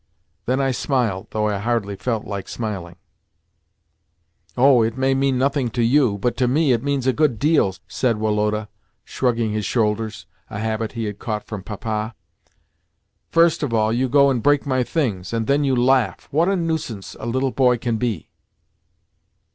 Then I smiled, though I hardly felt like smiling. "Oh, it may mean nothing to you, but to me it means a good deal," said Woloda, shrugging his shoulders (a habit he had caught from Papa). "First of all you go and break my things, and then you laugh. What a nuisance a little boy can be!"